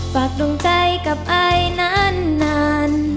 ฝากดวงใจกับอายนาน